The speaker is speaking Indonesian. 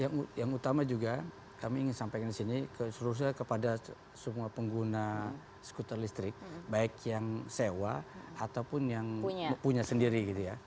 iya yang utama juga kami ingin sampaikan disini seluruhnya kepada semua pengguna skuter listrik baik yang sewa ataupun yang punya sendiri